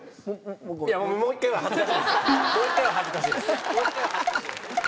もう１回は恥ずかしいです！